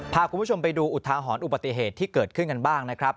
พาคุณผู้ชมไปดูอุทาหรณ์อุบัติเหตุที่เกิดขึ้นกันบ้างนะครับ